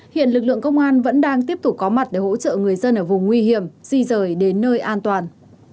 hiện lực lượng công an vẫn đang tiếp tục có mặt để hỗ trợ người dân ở vùng nguy hiểm di rời đến nơi an toàn